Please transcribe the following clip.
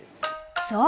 ［そう。